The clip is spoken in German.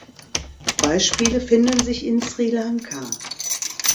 Beispiele finden sich in Sri Lanka.